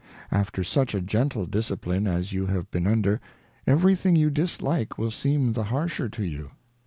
After such a gentle Discipline as you have been under, every thing you dislike will seem the harsher to you.